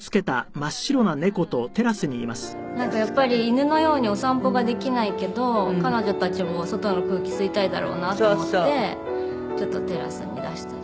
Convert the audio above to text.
なんかやっぱり犬のようにお散歩ができないけど彼女たちも外の空気吸いたいだろうなと思ってちょっとテラスに出したり。